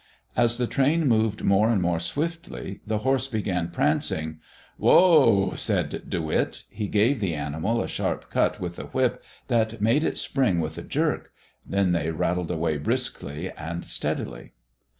As the train moved more and more swiftly, the horse began prancing. "Whoa!" said De Witt. He gave the animal a sharp cut with the whip that made it spring with a jerk. Then they rattled away briskly and steadily.